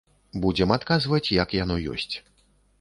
Будзем адказваць, як яно ёсць!